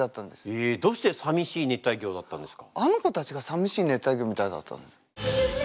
へえどうして「淋しい熱帯魚」だったんですか？